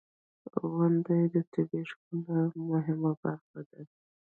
• غونډۍ د طبیعی ښکلا مهمه برخه ده.